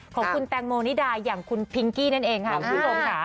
ของคุณแตงโมนิดาอย่างคุณพิงกี้นั่นเองค่ะคุณผู้ชมค่ะ